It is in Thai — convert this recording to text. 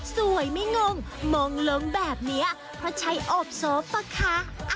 สวยไม่งงมงลงแบบนี้เพราะใช้โอบโซฟป่ะคะ